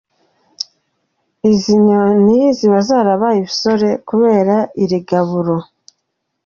Izi nyoni ziba zarabaye ibisore kubera iri gaburo.